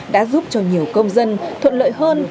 đã giúp cho nhiều công dân thuận lợi hơn